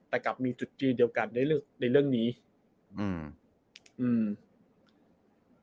แต่กลับมีจุดจีนเดียวกันในเรื่องในเรื่องนี้อืมอืม